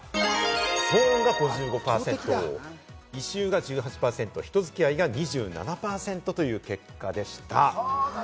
騒音が５５％、異臭が１８％、人付き合いが２７％という結果でした。